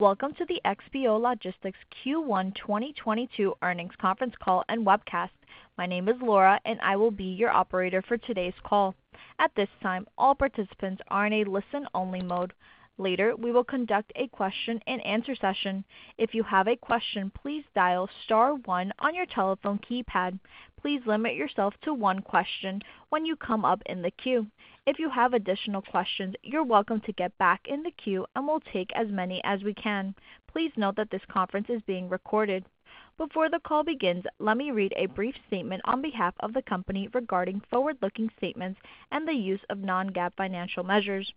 Welcome to the XPO Logistics Q1 2022 Earnings Conference Call and Webcast. My name is Laura, and I will be your operator for today's call. At this time, all participants are in a listen-only mode. Later, we will conduct a question and answer session. If you have a question, please dial star one on your telephone keypad. Please limit yourself to one question when you come up in the queue. If you have additional questions, you're welcome to get back in the queue, and we'll take as many as we can. Please note that this conference is being recorded. Before the call begins, let me read a brief statement on behalf of the company regarding forward-looking statements and the use of non-GAAP financial measures.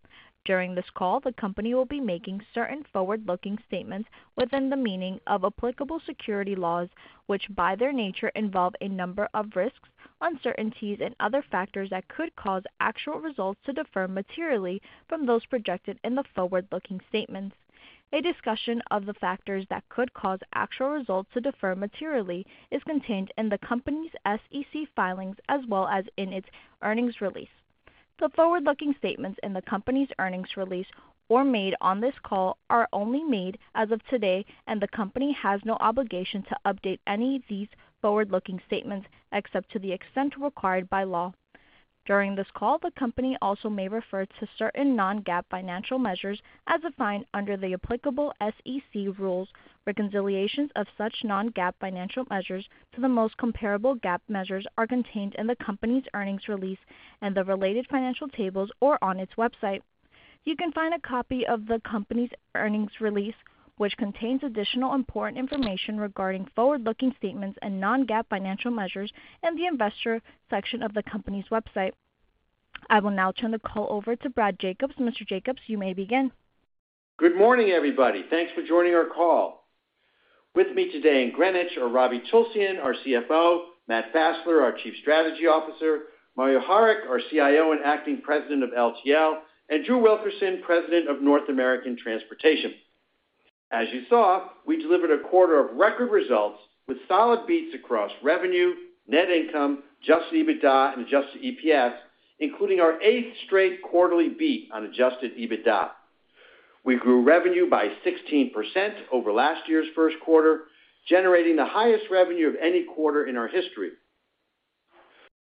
During this call, the company will be making certain forward-looking statements within the meaning of applicable securities laws, which, by their nature, involve a number of risks, uncertainties, and other factors that could cause actual results to differ materially from those projected in the forward-looking statements. A discussion of the factors that could cause actual results to differ materially is contained in the company's SEC filings as well as in its earnings release. The forward-looking statements in the company's earnings release or made on this call are only made as of today, and the company has no obligation to update any of these forward-looking statements except to the extent required by law. During this call, the company also may refer to certain non-GAAP financial measures as defined under the applicable SEC rules. Reconciliations of such non-GAAP financial measures to the most comparable GAAP measures are contained in the company's earnings release and the related financial tables or on its website. You can find a copy of the company's earnings release, which contains additional important information regarding forward-looking statements and non-GAAP financial measures in the investor section of the company's website. I will now turn the call over to Brad Jacobs. Mr. Jacobs, you may begin. Good morning, everybody. Thanks for joining our call. With me today in Greenwich are Ravi Tulsyan, our CFO, Matt Fassler, our Chief Strategy Officer, Mario Harik, our CIO and Acting President of LTL, and Drew Wilkerson, President of North American Transportation. As you saw, we delivered a quarter of record results with solid beats across revenue, net income, adjusted EBITDA, and adjusted EPS, including our eighth straight quarterly beat on adjusted EBITDA. We grew revenue by 16 over last year's first quarter, generating the highest revenue of any quarter in our history.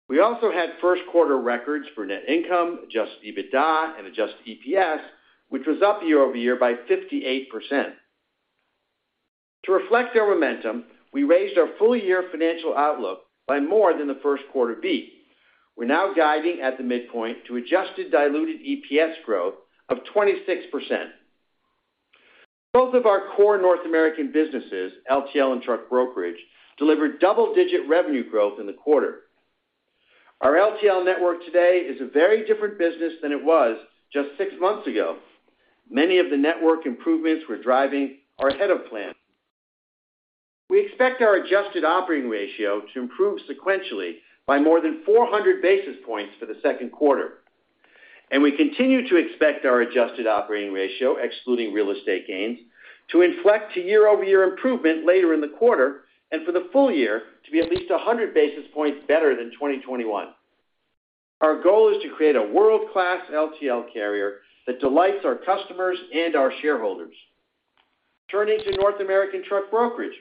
We also had first-quarter records for net income, adjusted EBITDA, and adjusted EPS, which was up year-over-year by 58%. To reflect our momentum, we raised our full-year financial outlook by more than the first quarter beat. We're now guiding at the midpoint to adjusted diluted EPS growth of 26%. Both of our core North American businesses, LTL and truck brokerage, delivered double-digit revenue growth in the quarter. Our LTL network today is a very different business than it was just six months ago. Many of the network improvements we're driving are ahead of plan. We expect our adjusted operating ratio to improve sequentially by more than 400 basis points for the second quarter, and we continue to expect our adjusted operating ratio, excluding real estate gains, to inflect to year-over-year improvement later in the quarter and for the full year to be at least 100 basis points better than 2021. Our goal is to create a world-class LTL carrier that delights our customers and our shareholders. Turning to North American truck brokerage,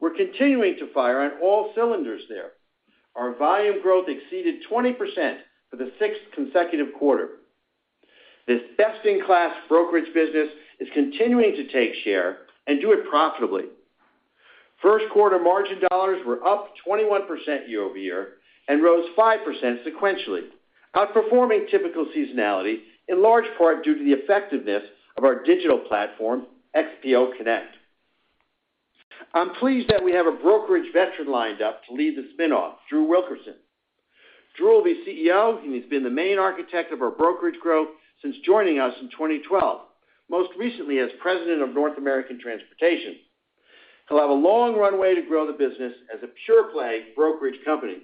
we're continuing to fire on all cylinders there. Our volume growth exceeded 20% for the sixth consecutive quarter. This best-in-class brokerage business is continuing to take share and do it profitably. First quarter margin dollars were up 21% year-over-year and rose 5% sequentially, outperforming typical seasonality in large part due to the effectiveness of our digital platform, XPO Connect. I'm pleased that we have a brokerage veteran lined up to lead the spin-off, Drew Wilkerson. Drew will be CEO, and he's been the main architect of our brokerage growth since joining us in 2012, most recently as President of North American Transportation. He'll have a long runway to grow the business as a pure-play brokerage company.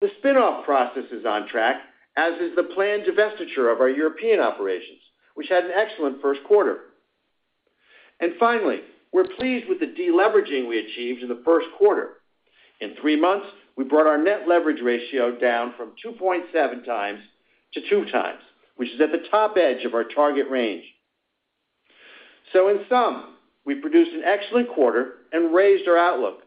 The spin-off process is on track, as is the planned divestiture of our European operations, which had an excellent first quarter. Finally, we're pleased with the deleveraging we achieved in the first quarter. In three months, we brought our net leverage ratio down from 2.7x-2x, which is at the top edge of our target range. In sum, we produced an excellent quarter and raised our outlook.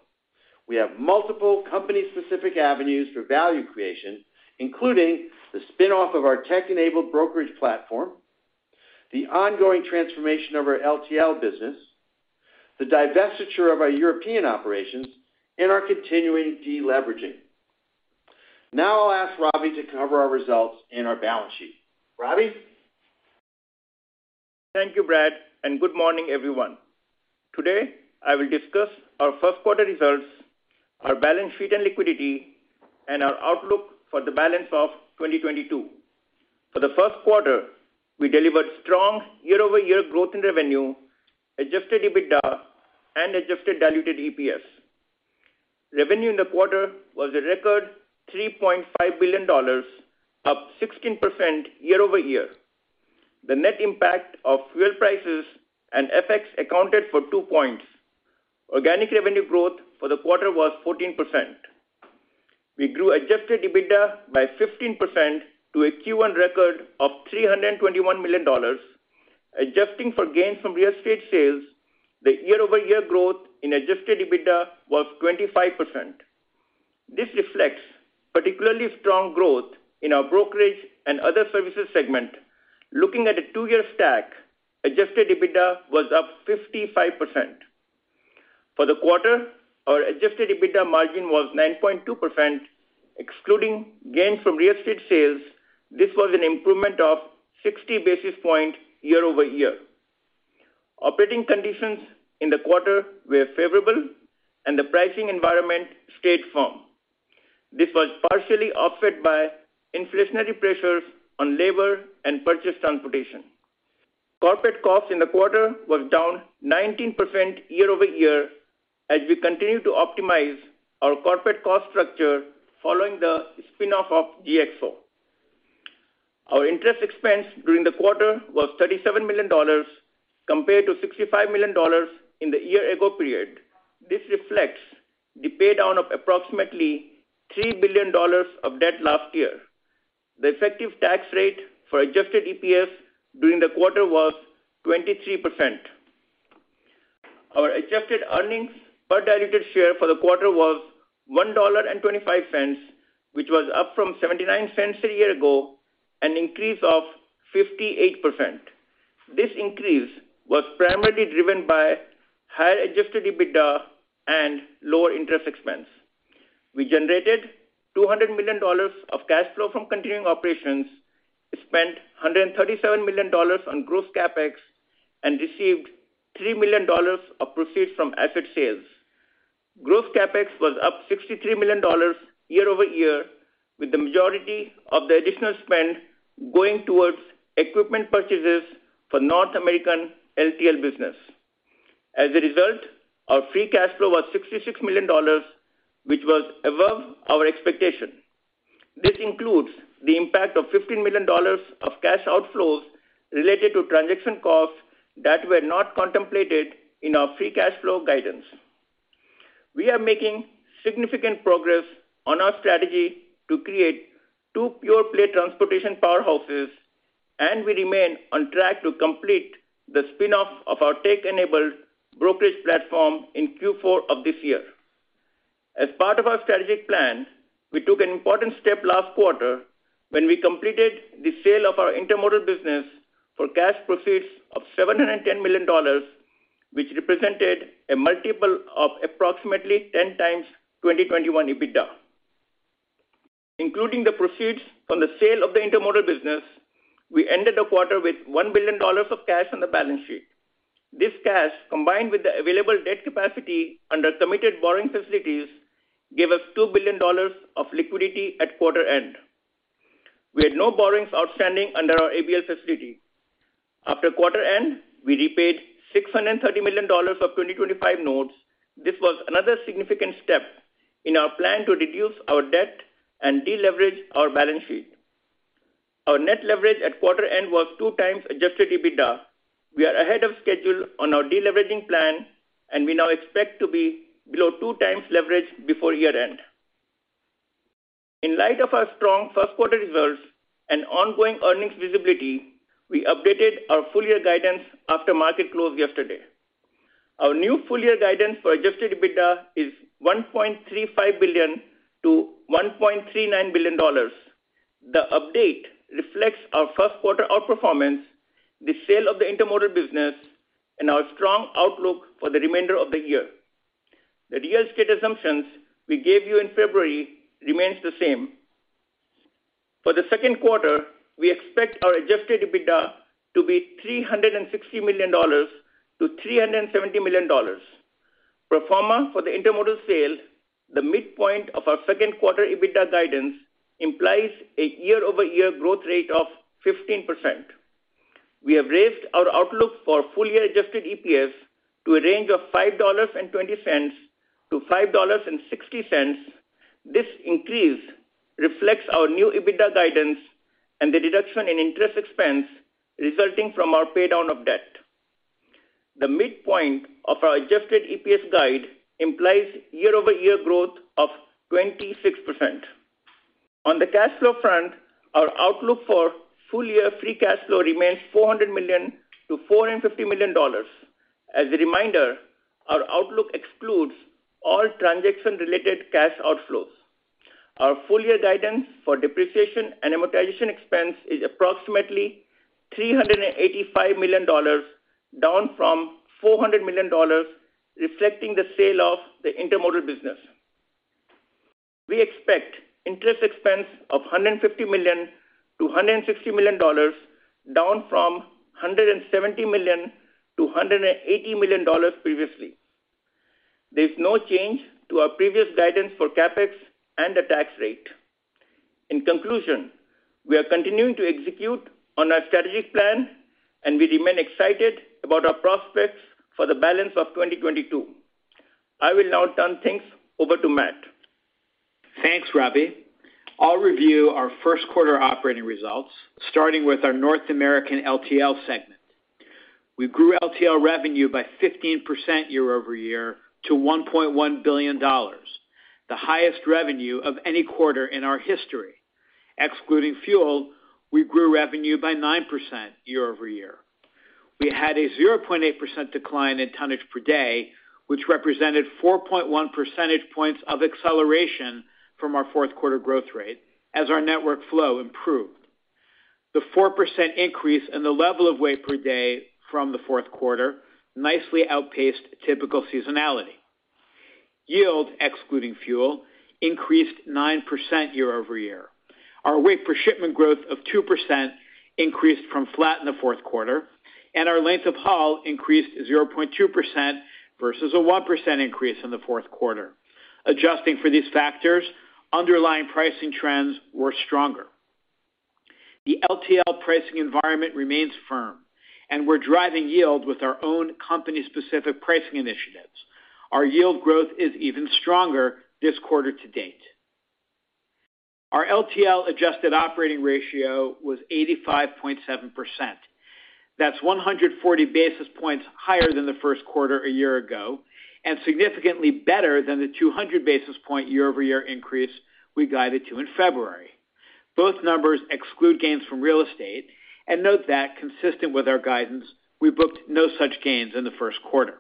We have multiple company-specific avenues for value creation, including the spin-off of our tech-enabled brokerage platform, the ongoing transformation of our LTL business, the divestiture of our European operations, and our continuing deleveraging. Now I'll ask Ravi to cover our results and our balance sheet. Ravi? Thank you, Brad, and good morning, everyone. Today, I will discuss our first quarter results, our balance sheet and liquidity, and our outlook for the balance of 2022. For the first quarter, we delivered strong year-over-year growth in revenue, adjusted EBITDA, and adjusted diluted EPS. Revenue in the quarter was a record $3.5 billion, up 16% year-over-year. The net impact of fuel prices and FX accounted for two points. Organic revenue growth for the quarter was 14%. We grew adjusted EBITDA by 15% to a Q1 record of $321 million. Adjusting for gains from real estate sales, the year-over-year growth in adjusted EBITDA was 25%. This reflects particularly strong growth in our brokerage and other services segment. Looking at a two-year stack, adjusted EBITDA was up 55%. For the quarter, our adjusted EBITDA margin was 9.2%. Excluding gains from real estate sales, this was an improvement of 60 basis points year over year. Operating conditions in the quarter were favorable and the pricing environment stayed firm. This was partially offset by inflationary pressures on labor and purchase transportation. Corporate costs in the quarter was down 19% year over year as we continue to optimize our corporate cost structure following the spin-off of GXO. Our interest expense during the quarter was $37 million compared to $65 million in the year-ago period. This reflects the pay down of approximately $3 billion of debt last year. The effective tax rate for adjusted EPS during the quarter was 23%. Our adjusted earnings per diluted share for the quarter was $1.25, which was up from $0.79 a year ago, an increase of 58%. This increase was primarily driven by higher adjusted EBITDA and lower interest expense. We generated $200 million of cash flow from continuing operations, spent $137 million on gross CapEx, and received $3 million of proceeds from asset sales. Gross CapEx was up $63 million year-over-year, with the majority of the additional spend going towards equipment purchases for North American LTL business. As a result, our free cash flow was $66 million, which was above our expectation. This includes the impact of $15 million of cash outflows related to transaction costs that were not contemplated in our free cash flow guidance. We are making significant progress on our strategy to create two pure play transportation powerhouses, and we remain on track to complete the spin-off of our tech-enabled brokerage platform in Q4 of this year. As part of our strategic plan, we took an important step last quarter when we completed the sale of our intermodal business for cash proceeds of $710 million, which represented a multiple of approximately 10x 2021 EBITDA. Including the proceeds from the sale of the intermodal business, we ended the quarter with $1 billion of cash on the balance sheet. This cash, combined with the available debt capacity under committed borrowing facilities, gave us $2 billion of liquidity at quarter end. We had no borrowings outstanding under our ABL facility. After quarter end, we repaid $630 million of 2025 notes. This was another significant step in our plan to reduce our debt and deleverage our balance sheet. Our net leverage at quarter end was 2x adjusted EBITDA. We are ahead of schedule on our deleveraging plan, and we now expect to be below 2x leverage before year end. In light of our strong first quarter results and ongoing earnings visibility, we updated our full year guidance after market close yesterday. Our new full year guidance for adjusted EBITDA is $1.35 billion-$1.39 billion. The update reflects our first quarter outperformance, the sale of the intermodal business, and our strong outlook for the remainder of the year. The real estate assumptions we gave you in February remains the same. For the second quarter, we expect our adjusted EBITDA to be $360 million-$370 million. Pro forma for the intermodal sale, the midpoint of our second quarter EBITDA guidance implies a year-over-year growth rate of 15%. We have raised our outlook for full year adjusted EPS to a range of $5.20-$5.60. This increase reflects our new EBITDA guidance and the reduction in interest expense resulting from our pay down of debt. The midpoint of our adjusted EPS guide implies year-over-year growth of 26%. On the cash flow front, our outlook for full year free cash flow remains $400 million-$450 million. As a reminder, our outlook excludes all transaction-related cash outflows. Our full year guidance for depreciation and amortization expense is approximately $385 million, down from $400 million, reflecting the sale of the intermodal business. We expect interest expense of $150 million-$160 million, down from $170 million-$180 million previously. There's no change to our previous guidance for CapEx and the tax rate. In conclusion, we are continuing to execute on our strategic plan, and we remain excited about our prospects for the balance of 2022. I will now turn things over to Matt. Thanks, Ravi. I'll review our first quarter operating results, starting with our North American LTL segment. We grew LTL revenue by 15% year-over-year to $1.1 billion, the highest revenue of any quarter in our history. Excluding fuel, we grew revenue by 9% year-over-year. We had a 0.8% decline in tonnage per day, which represented 4.1 percentage points of acceleration from our fourth quarter growth rate as our network flow improved. The 4% increase in the level of weight per day from the fourth quarter nicely outpaced typical seasonality. Yield, excluding fuel, increased 9% year-over-year. Our weight per shipment growth of 2% increased from flat in the fourth quarter, and our length of haul increased 0.2% versus a 1% increase in the fourth quarter. Adjusting for these factors, underlying pricing trends were stronger. The LTL pricing environment remains firm, and we're driving yield with our own company-specific pricing initiatives. Our yield growth is even stronger this quarter to date. Our LTL adjusted operating ratio was 85.7%. That's 140 basis points higher than the first quarter a year ago, and significantly better than the 200 basis point year-over-year increase we guided to in February. Both numbers exclude gains from real estate, and note that consistent with our guidance, we booked no such gains in the first quarter.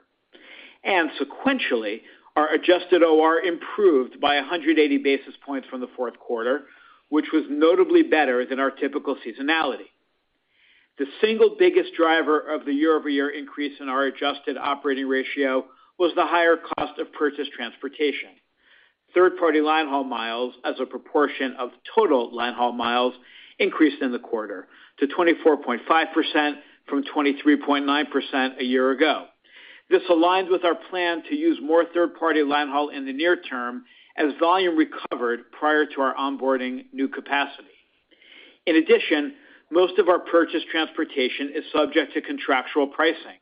Sequentially, our adjusted OR improved by 180 basis points from the fourth quarter, which was notably better than our typical seasonality. The single biggest driver of the year-over-year increase in our adjusted operating ratio was the higher cost of purchased transportation. Third-party line haul miles as a proportion of total line haul miles increased in the quarter to 24.5% from 23.9% a year ago. This aligns with our plan to use more third-party line haul in the near term as volume recovered prior to our onboarding new capacity. In addition, most of our purchased transportation is subject to contractual pricing.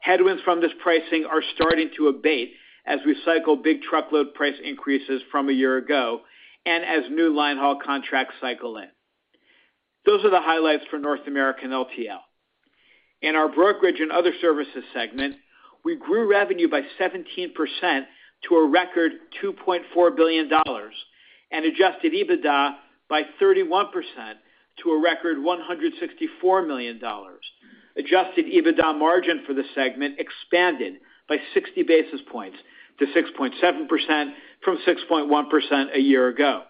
Headwinds from this pricing are starting to abate as we cycle big truckload price increases from a year ago and as new line haul contracts cycle in. Those are the highlights for North American LTL. In our brokerage and other services segment, we grew revenue by 17% to a record $2.4 billion and adjusted EBITDA by 31% to a record $164 million. Adjusted EBITDA margin for the segment expanded by 60 basis points to 6.7% from 6.1% a year ago.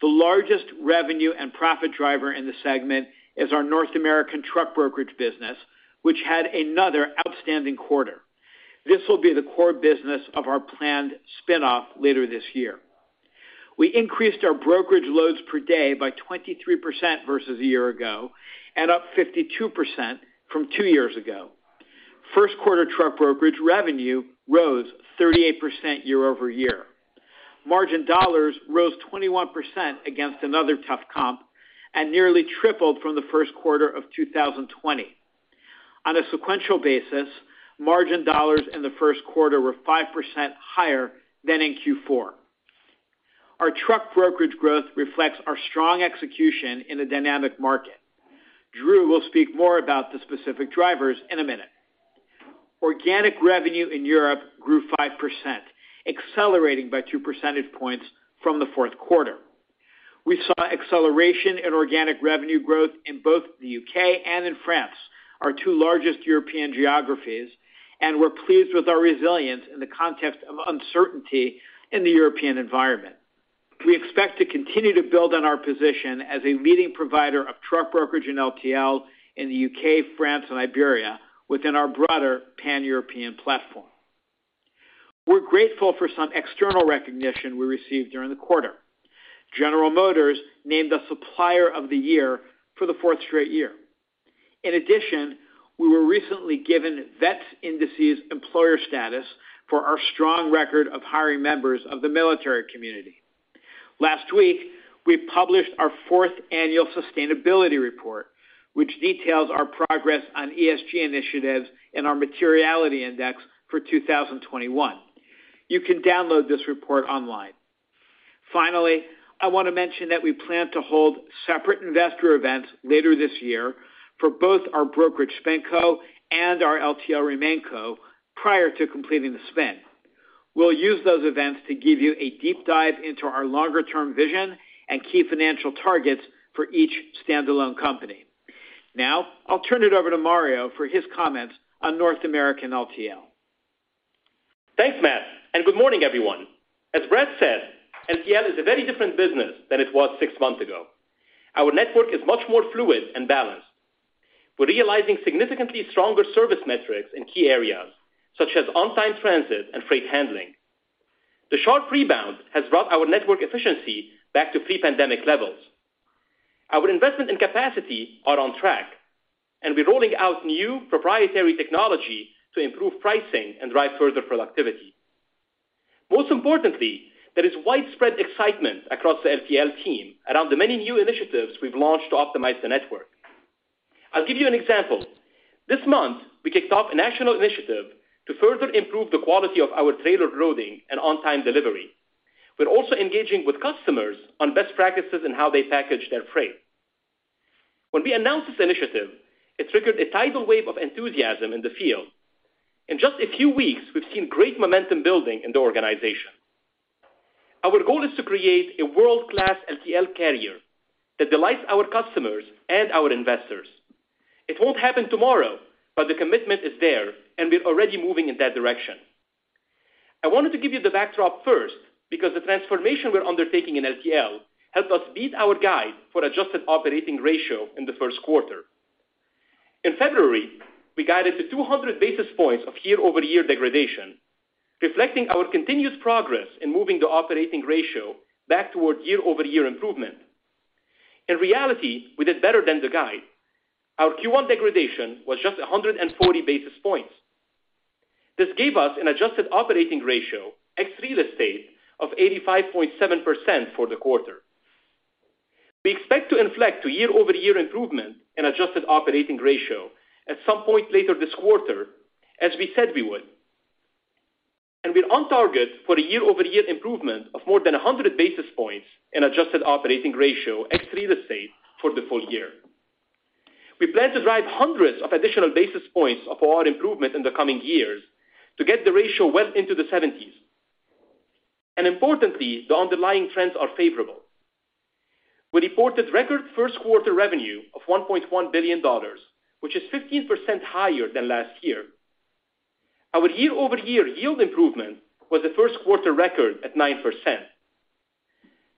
The largest revenue and profit driver in the segment is our North American truck brokerage business, which had another outstanding quarter. This will be the core business of our planned spin-off later this year. We increased our brokerage loads per day by 23% versus a year ago and up 52% from two years ago. First quarter truck brokerage revenue rose 38% year-over-year. Margin dollars rose 21% against another tough comp and nearly tripled from the first quarter of 2020. On a sequential basis, margin dollars in the first quarter were 5% higher than in Q4. Our truck brokerage growth reflects our strong execution in a dynamic market. Drew will speak more about the specific drivers in a minute. Organic revenue in Europe grew 5%, accelerating by two percentage points from the fourth quarter. We saw acceleration in organic revenue growth in both the U.K. and in France, our two largest European geographies, and we're pleased with our resilience in the context of uncertainty in the European environment. We expect to continue to build on our position as a leading provider of truck brokerage and LTL in the U.K., France, and Iberia within our broader Pan-European platform. We're grateful for some external recognition we received during the quarter. General Motors named us Supplier of the Year for the fourth straight year. In addition, we were recently given VETS Indexes employer status for our strong record of hiring members of the military community. Last week, we published our fourth annual sustainability report, which details our progress on ESG initiatives and our materiality index for 2021. You can download this report online. Finally, I want to mention that we plan to hold separate investor events later this year for both our brokerage SpinCo and our LTL RemainCo prior to completing the spin. We'll use those events to give you a deep dive into our longer-term vision and key financial targets for each standalone company. Now, I'll turn it over to Mario for his comments on North American LTL. Thanks, Matt, and good morning, everyone. As Brad said, LTL is a very different business than it was six months ago. Our network is much more fluid and balanced. We're realizing significantly stronger service metrics in key areas such as on-time transit and freight handling. The sharp rebound has brought our network efficiency back to pre-pandemic levels. Our investment and capacity are on track, and we're rolling out new proprietary technology to improve pricing and drive further productivity. Most importantly, there is widespread excitement across the LTL team around the many new initiatives we've launched to optimize the network. I'll give you an example. This month, we kicked off a national initiative to further improve the quality of our trailer loading and on-time delivery. We're also engaging with customers on best practices and how they package their freight. When we announced this initiative, it triggered a tidal wave of enthusiasm in the field. In just a few weeks, we've seen great momentum building in the organization. Our goal is to create a world-class LTL carrier that delights our customers and our investors. It won't happen tomorrow, but the commitment is there, and we're already moving in that direction. I wanted to give you the backdrop first because the transformation we're undertaking in LTL helped us beat our guide for adjusted operating ratio in the first quarter. In February, we guided to 200 basis points of year-over-year degradation, reflecting our continuous progress in moving the operating ratio back toward year-over-year improvement. In reality, we did better than the guide. Our Q1 degradation was just 140 basis points. This gave us an adjusted operating ratio, ex real estate, of 85.7% for the quarter. We expect to inflect to year-over-year improvement in adjusted operating ratio at some point later this quarter, as we said we would. We're on target for a year-over-year improvement of more than 100 basis points in adjusted operating ratio, ex real estate for the full year. We plan to drive hundreds of additional basis points of OR improvement in the coming years to get the ratio well into the seventies. Importantly, the underlying trends are favorable. We reported record first quarter revenue of $1.1 billion, which is 15% higher than last year. Our year-over-year yield improvement was the first quarter record at 9%.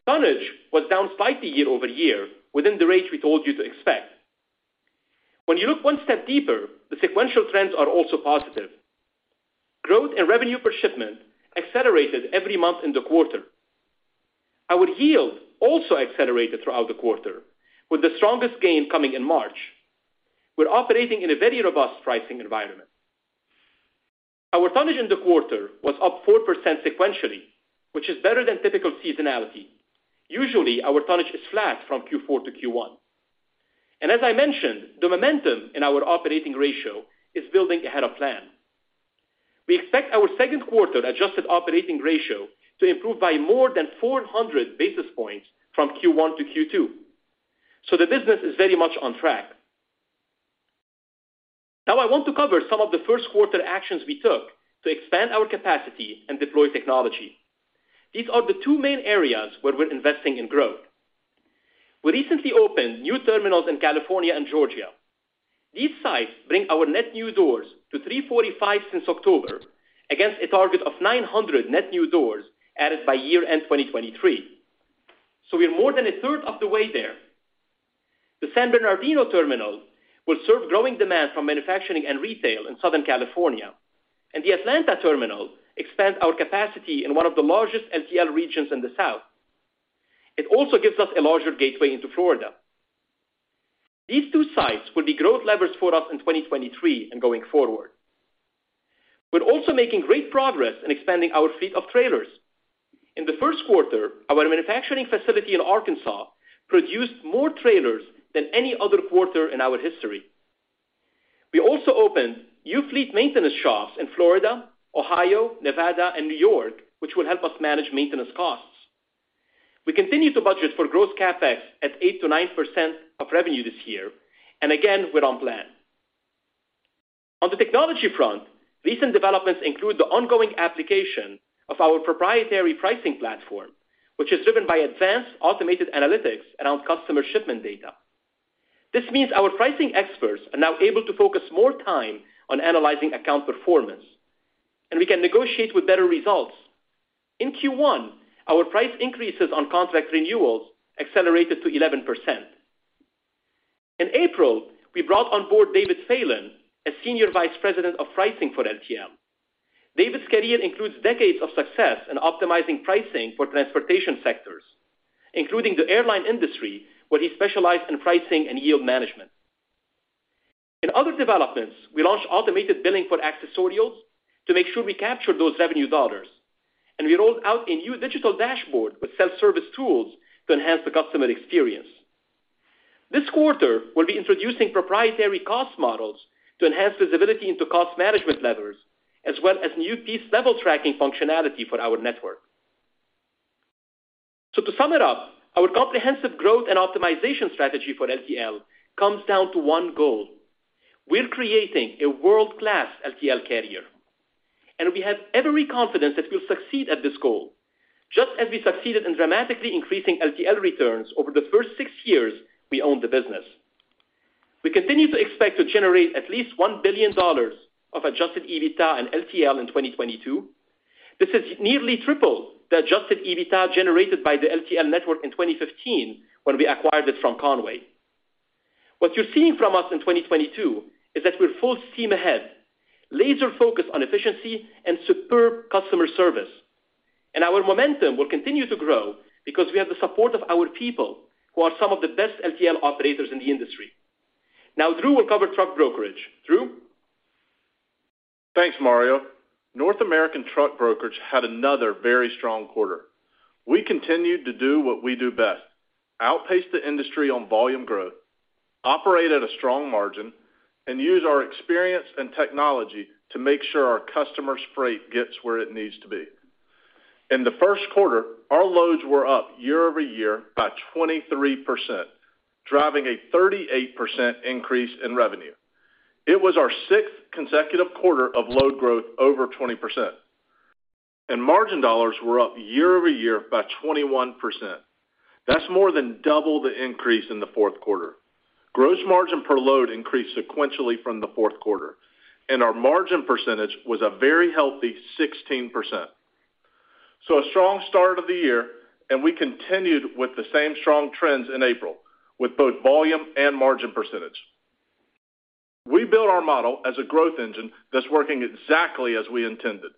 Tonnage was down slightly year over year within the range we told you to expect. When you look one step deeper, the sequential trends are also positive. Growth and revenue per shipment accelerated every month in the quarter. Our yield also accelerated throughout the quarter, with the strongest gain coming in March. We're operating in a very robust pricing environment. Our tonnage in the quarter was up 4% sequentially, which is better than typical seasonality. Usually, our tonnage is flat from Q4-Q1. As I mentioned, the momentum in our operating ratio is building ahead of plan. We expect our second quarter adjusted operating ratio to improve by more than 400 basis points from Q1-Q2. The business is very much on track. Now I want to cover some of the first quarter actions we took to expand our capacity and deploy technology. These are the two main areas where we're investing in growth. We recently opened new terminals in California and Georgia. These sites bring our net new doors to 345 since October against a target of 900 net new doors added by year-end 2023. We're more than a third of the way there. The San Bernardino terminal will serve growing demand from manufacturing and retail in Southern California, and the Atlanta terminal expands our capacity in one of the largest LTL regions in the South. It also gives us a larger gateway into Florida. These two sites will be growth levers for us in 2023 and going forward. We're also making great progress in expanding our fleet of trailers. In the first quarter, our manufacturing facility in Arkansas produced more trailers than any other quarter in our history. We also opened new fleet maintenance shops in Florida, Ohio, Nevada, and New York, which will help us manage maintenance costs. We continue to budget for gross CapEx at 8%-9% of revenue this year. Again, we're on plan. On the technology front, recent developments include the ongoing application of our proprietary pricing platform, which is driven by advanced automated analytics around customer shipment data. This means our pricing experts are now able to focus more time on analyzing account performance, and we can negotiate with better results. In Q1, our price increases on contract renewals accelerated to 11%. In April, we brought on board David Phelan as Senior Vice President of pricing for LTL. David's career includes decades of success in optimizing pricing for transportation sectors, including the airline industry, where he specialized in pricing and yield management. In other developments, we launched automated billing for accessorials to make sure we capture those revenue dollars, and we rolled out a new digital dashboard with self-service tools to enhance the customer experience. This quarter, we'll be introducing proprietary cost models to enhance visibility into cost management levers, as well as new piece-level tracking functionality for our network. To sum it up, our comprehensive growth and optimization strategy for LTL comes down to one goal. We're creating a world-class LTL carrier, and we have every confidence that we'll succeed at this goal, just as we succeeded in dramatically increasing LTL returns over the first six years we owned the business. We continue to expect to generate at least $1 billion of adjusted EBITDA and LTL in 2022. This is nearly triple the adjusted EBITDA generated by the LTL network in 2015 when we acquired it from Con-way. What you're seeing from us in 2022 is that we're full steam ahead, laser-focused on efficiency and superb customer service. Our momentum will continue to grow because we have the support of our people, who are some of the best LTL operators in the industry. Now, Drew will cover truck brokerage. Drew? Thanks, Mario. North American truck brokerage had another very strong quarter. We continued to do what we do best, outpace the industry on volume growth, operate at a strong margin and use our experience and technology to make sure our customers' freight gets where it needs to be. In the first quarter, our loads were up year-over-year by 23%, driving a 38% increase in revenue. It was our sixth consecutive quarter of load growth over 20%, and margin dollars were up year-over-year by 21%. That's more than double the increase in the fourth quarter. Gross margin per load increased sequentially from the fourth quarter, and our margin percentage was a very healthy 16%. A strong start of the year, and we continued with the same strong trends in April with both volume and margin percentage. We built our model as a growth engine that's working exactly as we intended.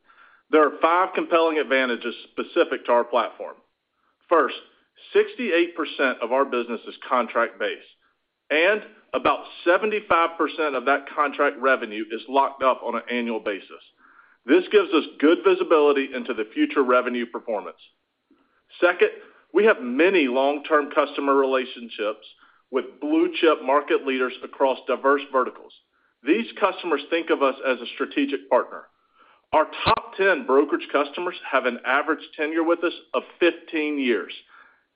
There are five compelling advantages specific to our platform. First, 68% of our business is contract-based, and about 75% of that contract revenue is locked up on an annual basis. This gives us good visibility into the future revenue performance. Second, we have many long-term customer relationships with blue-chip market leaders across diverse verticals. These customers think of us as a strategic partner. Our top ten brokerage customers have an average tenure with us of 15 years,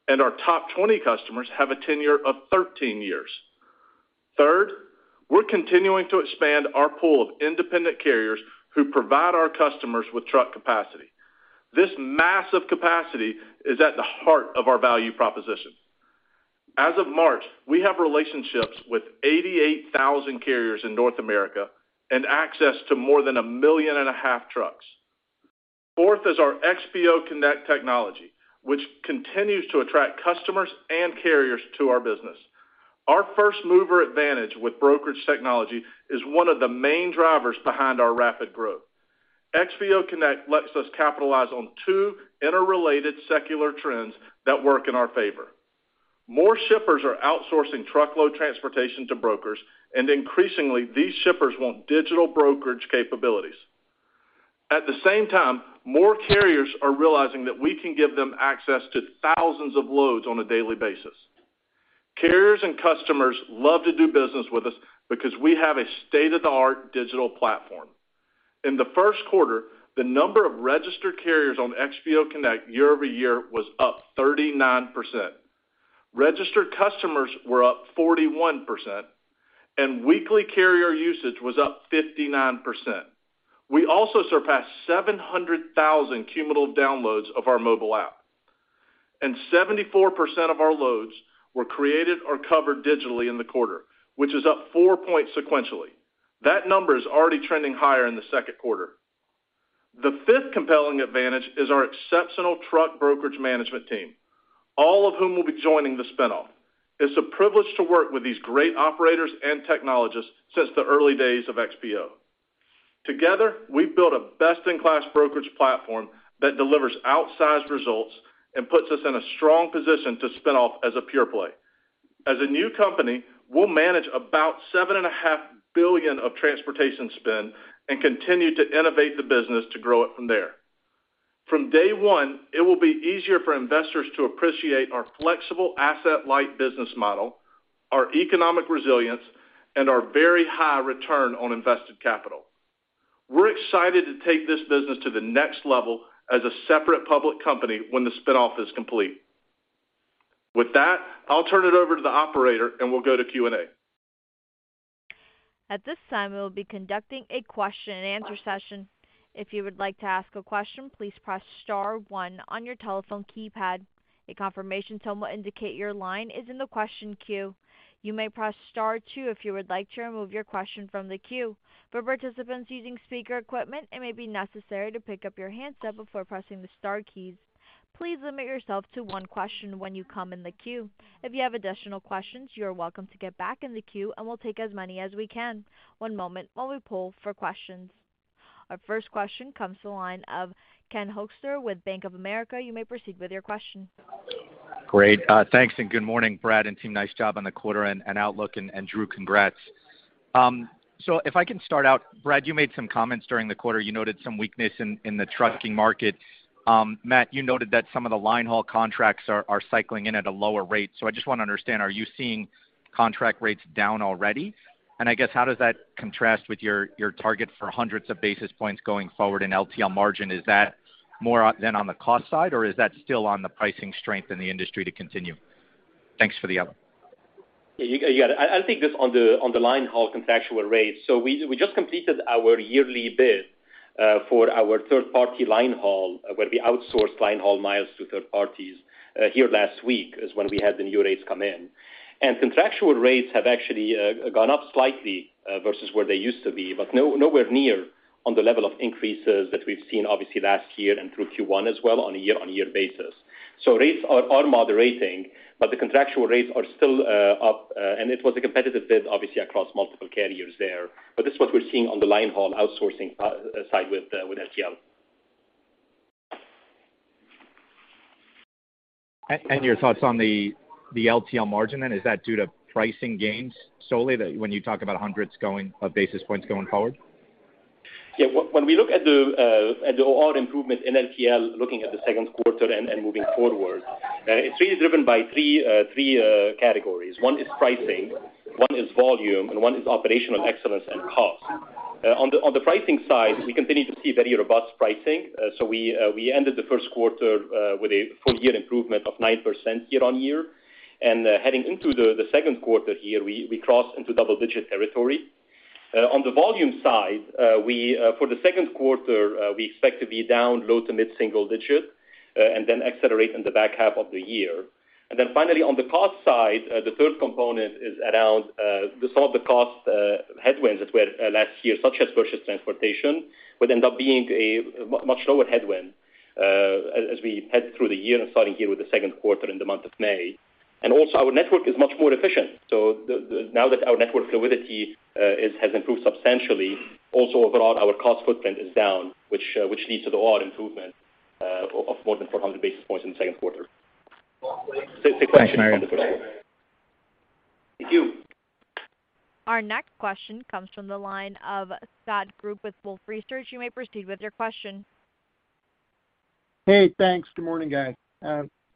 and our top 20 customers have a tenure of 13 years. Third, we're continuing to expand our pool of independent carriers who provide our customers with truck capacity. This massive capacity is at the heart of our value proposition. As of March, we have relationships with 88,000 carriers in North America and access to more than 1.5 million trucks. Fourth is our XPO Connect technology, which continues to attract customers and carriers to our business. Our first-mover advantage with brokerage technology is one of the main drivers behind our rapid growth. XPO Connect lets us capitalize on two interrelated secular trends that work in our favor. More shippers are outsourcing truckload transportation to brokers, and increasingly, these shippers want digital brokerage capabilities. At the same time, more carriers are realizing that we can give them access to thousands of loads on a daily basis. Carriers and customers love to do business with us because we have a state-of-the-art digital platform. In the first quarter, the number of registered carriers on XPO Connect year-over-year was up 39%. Registered customers were up 41%, and weekly carrier usage was up 59%. We also surpassed 700,000 cumulative downloads of our mobile app, and 74% of our loads were created or covered digitally in the quarter, which is up four points sequentially. That number is already trending higher in the second quarter. The fifth compelling advantage is our exceptional truck brokerage management team, all of whom will be joining the spin-off. It's a privilege to work with these great operators and technologists since the early days of XPO. Together, we've built a best-in-class brokerage platform that delivers outsized results and puts us in a strong position to spin off as a pure play. As a new company, we'll manage about $7.5 billion of transportation spend and continue to innovate the business to grow it from there. From day one, it will be easier for investors to appreciate our flexible asset-light business model, our economic resilience, and our very high return on invested capital. We're excited to take this business to the next level as a separate public company when the spin-off is complete. With that, I'll turn it over to the operator, and we'll go to Q&A. At this time, we will be conducting a question and answer session. If you would like to ask a question, please press star one on your telephone keypad. A confirmation tone will indicate your line is in the question queue. You may press star two if you would like to remove your question from the queue. For participants using speaker equipment, it may be necessary to pick up your handset before pressing the star keys. Please limit yourself to one question when you come in the queue. If you have additional questions, you are welcome to get back in the queue and we'll take as many as we can. One moment while we poll for questions. Our first question comes to the line of Ken Hoexter with Bank of America. You may proceed with your question. Great. Thanks, and good morning, Brad and team. Nice job on the quarter and outlook, and Drew, congrats. If I can start out, Brad, you made some comments during the quarter. You noted some weakness in the trucking market. Matt, you noted that some of the line haul contracts are cycling in at a lower rate. I just wanna understand, are you seeing contract rates down already? And I guess, how does that contrast with your target for hundreds of basis points going forward in LTL margin? Is that more on the cost side, or is that still on the pricing strength in the industry to continue? Thanks for the other. Yeah, you got it. I'll take this on the line haul contractual rates. We just completed our yearly bid for our third-party line haul, where we outsource line haul miles to third parties, here last week is when we had the new rates come in. Contractual rates have actually gone up slightly versus where they used to be, but nowhere near on the level of increases that we've seen obviously last year and through Q1 as well on a year-on-year basis. Rates are moderating, but the contractual rates are still up, and it was a competitive bid obviously across multiple carriers there. This is what we're seeing on the line haul outsourcing side with LTL. Your thoughts on the LTL margin then? Is that due to pricing gains solely that when you talk about hundreds of basis points going forward? When we look at the OR improvement in LTL, looking at the second quarter and moving forward, it's really driven by three categories. One is pricing, one is volume, and one is operational excellence and cost. On the pricing side, we continue to see very robust pricing. So we ended the first quarter with a full year improvement of 9% year-on-year. Heading into the second quarter here, we crossed into double-digit territory. On the volume side, for the second quarter, we expect to be down low- to mid-single-digit, and then accelerate in the back half of the year. Finally on the cost side, the third component is around some of the cost headwinds that were last year, such as purchase transportation, would end up being a much lower headwind, as we head through the year and starting here with the second quarter in the month of May. Our network is much more efficient. Now that our network fluidity has improved substantially, overall our cost footprint is down, which leads to the OR improvement of more than 400 basis points in the second quarter. Thanks. For taking my question. Thank you. Our next question comes from the line of Scott Group with Wolfe Research. You may proceed with your question. Hey, thanks. Good morning, guys.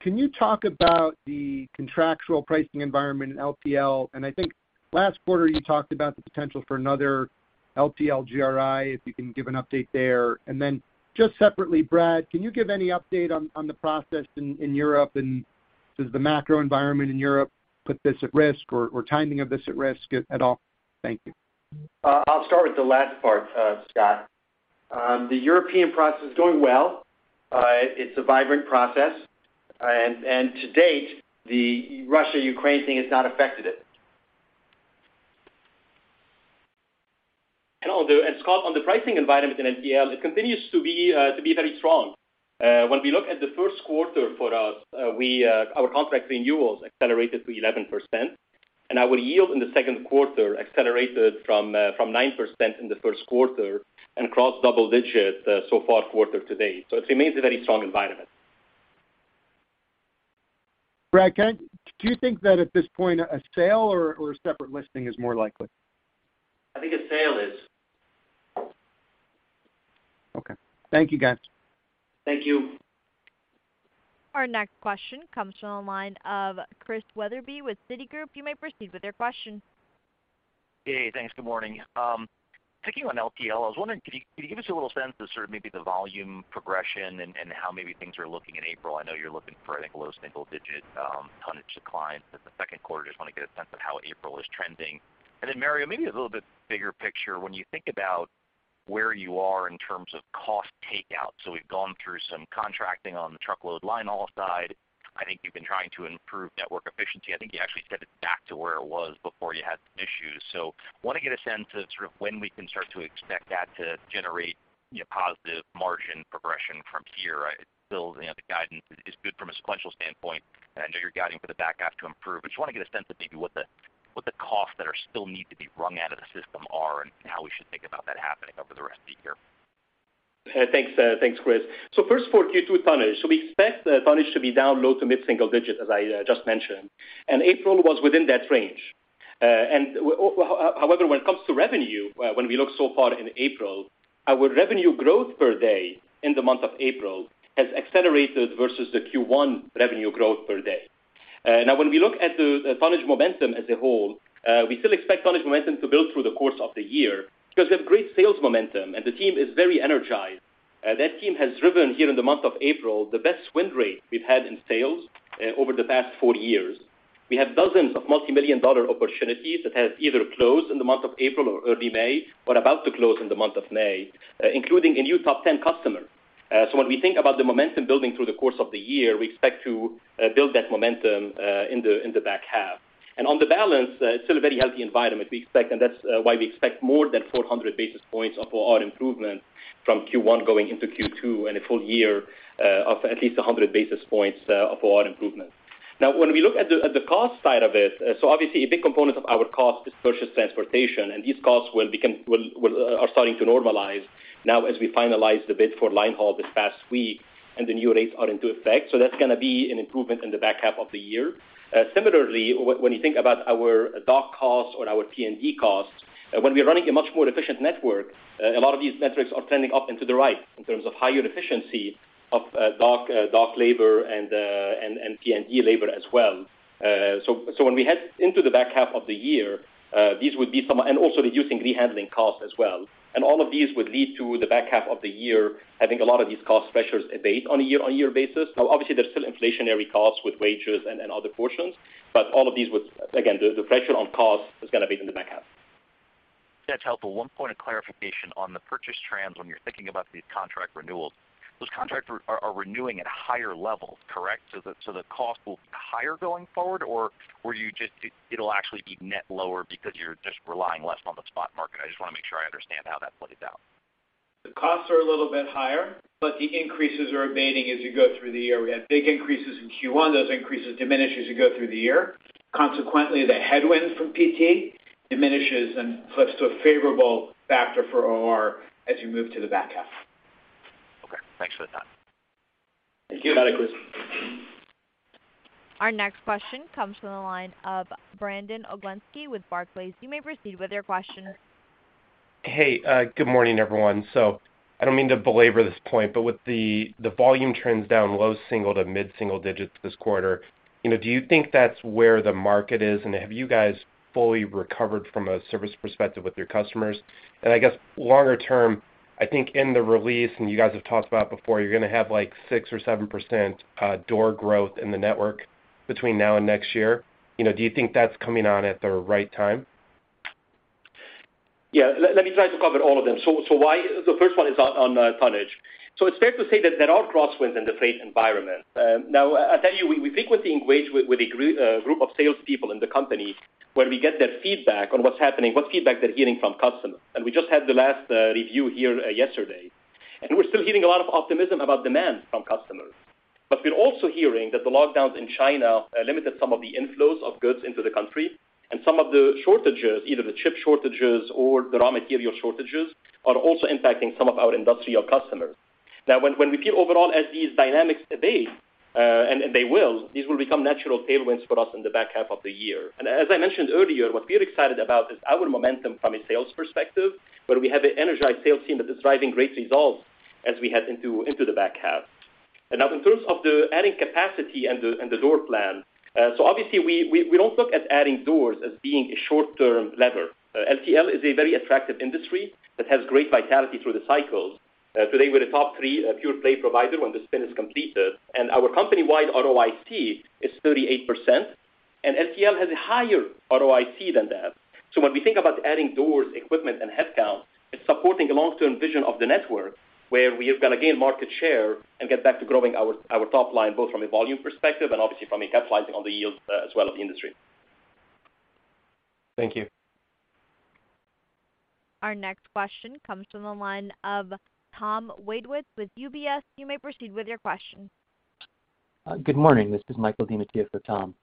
Can you talk about the contractual pricing environment in LTL? I think last quarter you talked about the potential for another LTL GRI, if you can give an update there. Just separately, Brad, can you give any update on the process in Europe and does the macro environment in Europe put this at risk or timing of this at risk at all? Thank you. I'll start with the last part, Scott. The European process is going well. It's a vibrant process. To date, the Russia-Ukraine thing has not affected it. Scott, on the pricing environment in LTL, it continues to be very strong. When we look at the first quarter for us, our contract renewals accelerated to 11%. Our yield in the second quarter accelerated from 9% in the first quarter and crossed double-digits so far quarter-to-date. It remains a very strong environment. Brad, do you think that at this point a sale or a separate listing is more likely? I think a sale is. Okay. Thank you, guys. Thank you. Our next question comes from the line of Chris Wetherbee with Citigroup. You may proceed with your question. Hey, thanks. Good morning. Clicking on LTL, I was wondering, could you give us a little sense of sort of maybe the volume progression and how maybe things are looking in April? I know you're looking for, I think, a low single digit tonnage decline for the second quarter. Just wanna get a sense of how April is trending. Mario, maybe a little bit bigger picture, when you think about where you are in terms of cost takeout, so we've gone through some contracting on the truckload line haul side. I think you've been trying to improve network efficiency. I think you actually set it back to where it was before you had some issues. Wanna get a sense of sort of when we can start to expect that to generate, you know, positive margin progression from here. It builds, you know, the guidance is good from a sequential standpoint. I know you're guiding for the back half to improve. I just wanna get a sense of maybe what the costs that are still need to be wrung out of the system are and how we should think about that happening over the rest of the year. Thanks, Chris. First for Q2 tonnage. We expect the tonnage to be down low- to mid-single-digit, as I just mentioned. April was within that range. However, when it comes to revenue, when we look so far in April, our revenue growth per day in the month of April has accelerated versus the Q1 revenue growth per day. Now when we look at the tonnage momentum as a whole, we still expect tonnage momentum to build through the course of the year because we have great sales momentum, and the team is very energized. That team has driven here in the month of April the best win rate we've had in sales over the past four years. We have dozens of multimillion-dollar opportunities that have either closed in the month of April or early May or about to close in the month of May, including a new top 10 customer. When we think about the momentum building through the course of the year, we expect to build that momentum in the back half. On the balance, it's still a very healthy environment we expect, and that's why we expect more than 400 basis points of OR improvement from Q1 going into Q2 and a full year of at least 100 basis points of OR improvement. Now, when we look at the cost side of it, so obviously a big component of our cost is purchase transportation, and these costs are starting to normalize now as we finalize the bid for line haul this past week and the new rates are in effect. That's gonna be an improvement in the back half of the year. Similarly, when you think about our dock costs or our P&D costs, when we are running a much more efficient network, a lot of these metrics are trending up and to the right in terms of higher efficiency of dock labor and P&D labor as well. When we head into the back half of the year, these would be some and also reducing rehandling costs as well. All of these would lead to the back half of the year, having a lot of these cost pressures abate on a year-on-year basis. Now obviously, there's still inflationary costs with wages and other portions, but all of these would, again, the pressure on cost is gonna be in the back half. That's helpful. One point of clarification on the purchase trends when you're thinking about these contract renewals. Those contracts are renewing at higher levels, correct? So the cost will be higher going forward? Or were you just, it'll actually be net lower because you're just relying less on the spot market? I just wanna make sure I understand how that plays out. The costs are a little bit higher, but the increases are abating as you go through the year. We had big increases in Q1. Those increases diminish as you go through the year. Consequently, the headwind from PT diminishes and flips to a favorable factor for OR as you move to the back half. Okay. Thanks for that. Thank you. Got it, Chris. Our next question comes from the line of Brandon Oglenski with Barclays. You may proceed with your question. Hey, good morning, everyone. I don't mean to belabor this point, but with the volume trends down low-single to mid-single digits this quarter, you know, do you think that's where the market is? Have you guys fully recovered from a service perspective with your customers? I guess longer term, I think in the release, and you guys have talked about before, you're gonna have, like, 6% or 7% door growth in the network between now and next year. You know, do you think that's coming on at the right time? Let me try to cover all of them. The first one is on tonnage. It's fair to say that there are crosswinds in the freight environment. Now, I'll tell you, we frequently engage with a group of salespeople in the company where we get their feedback on what's happening, what feedback they're getting from customers. We just had the last review here yesterday. We're still hearing a lot of optimism about demand from customers. We're also hearing that the lockdowns in China limited some of the inflows of goods into the country, and some of the shortages, either the chip shortages or the raw material shortages, are also impacting some of our industrial customers. Now, when we peer overall at these dynamics today, and they will become natural tailwinds for us in the back half of the year. As I mentioned earlier, what we're excited about is our momentum from a sales perspective, where we have an energized sales team that is driving great results as we head into the back half. Now in terms of adding capacity and the door plan, obviously we don't look at adding doors as being a short-term lever. LTL is a very attractive industry that has great vitality through the cycles. Today we're a top three pure play provider when the spin is completed, and our company-wide ROIC is 38%, and LTL has a higher ROIC than that. When we think about adding doors, equipment, and headcount, it's supporting a long-term vision of the network where we are gonna gain market share and get back to growing our top line, both from a volume perspective and obviously from capitalizing on the yields, as well as the industry. Thank you. Our next question comes from the line of Tom Wadewitz with UBS. You may proceed with your question. Good morning. This is Michael DiMattia for Tom.